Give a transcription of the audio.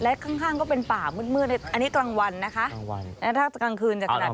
และข้างก็เป็นป่ามืดอันนี้กลางวันนะคะและถ้ากลางคืนจะขนาดไหน